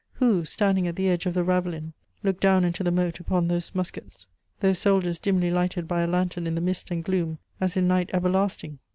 Who, standing at the edge of the ravelin, looked down into the moat upon those muskets, those soldiers dimly lighted by a lantern in the mist and gloom, as in night everlasting?